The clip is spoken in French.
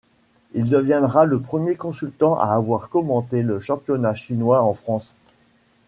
Il deviendra le premier consultant à avoir commenter le championnat chinois en France.